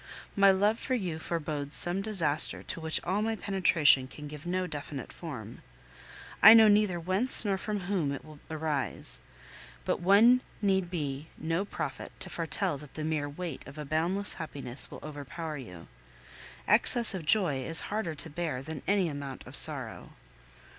My love for you forebodes some disaster to which all my penetration can give no definite form. I know neither whence nor from whom it will arise; but one need be no prophet to foretell that the mere weight of a boundless happiness will overpower you. Excess of joy is harder to bear than any amount of sorrow.